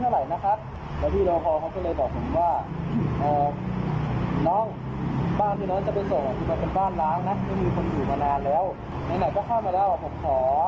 ไหนก็เข้ามาแล้วผมขอ